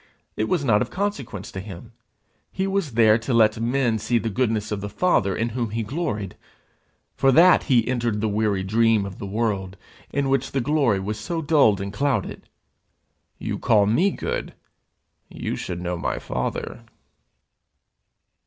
It was not of consequence to him. He was there to let men see the goodness of the Father in whom he gloried. For that he entered the weary dream of the world, in which the glory was so dulled and clouded. 'You call me good! You should know my Father!'